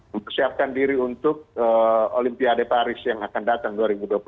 mempersiapkan diri untuk olimpiade paris yang akan datang dua ribu dua puluh empat